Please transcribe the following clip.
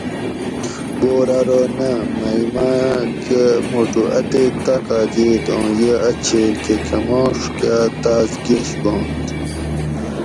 "بور ارو"" نہ مئ مائ کہ موٹو اتیک طاقت یٔت اُوں یہ اۤ چھیل کہۤ کھۤماش کاۤ تاس گیشبانت"""